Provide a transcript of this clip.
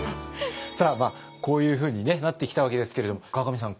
さあこういうふうになってきたわけですけれども河上さん